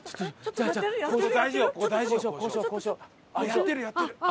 やってるやってる。